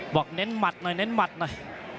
เน้นหมัดหน่อยเน้นหมัดหน่อย